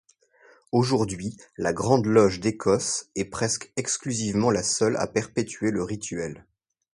Aujourd'hui, la Grande Loge d'Écosse est presque exclusivement la seule a perpétuer le rituel.